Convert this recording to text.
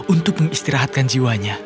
untuk mengistirahatkan jiwanya